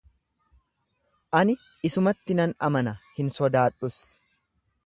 Ani isumatti nan amana, hin sodaadhus.